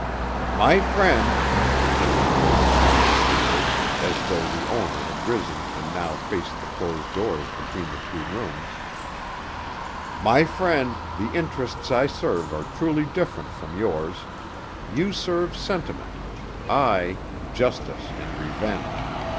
"My friend," came the voice more distinctly, as though the owner had risen and now faced the closed doors between the two rooms, "my friend, the interests I serve are truly different from yours; you serve sentiment; I, justice and revenge.